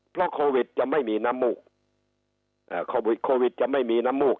เพราะโควิดจะไม่มีน้ำมูกอ่าโควิดโควิดจะไม่มีน้ำมูก